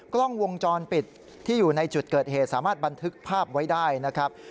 กล้องวงจรปิดที่อยู่ในจุดเกิดเหตุสามารถบันทึกภาพไว้ได้นะครับ